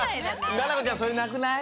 ななこちゃんそれなくない？